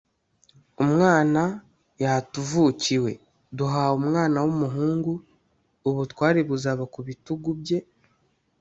Umwana yatuvukiye, duhawe umwana w’umuhungu, ubutware buzaba ku bitugu bye